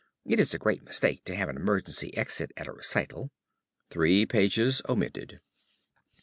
It is a great mistake to have an emergency exit at a recital. (_Three pages omitted.